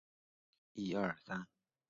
他们是同济历史上的第一届毕业生。